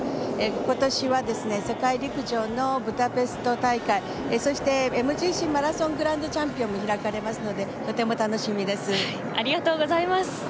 今年は世界陸上のブダペスト大会そしてＭＧＣマラソングランドチャンピオンも開かれますのでとても楽しみです。